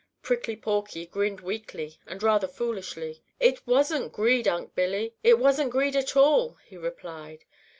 Prickly Porky grinned weakly and rather foolishly. "It wasn't greed, Unc' Billy. It wasn't greed at all," he replied.